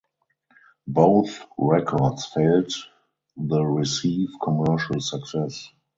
Both records failed the receive commercial success.